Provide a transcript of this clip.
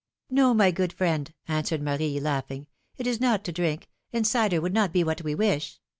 No, my good friend," answered Marie, laughing, it is not to drink, and cider would not be what we wish.